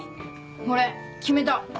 俺決めた。